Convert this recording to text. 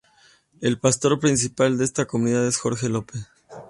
El pastor principal de esta comunidad es Jorge Lopez.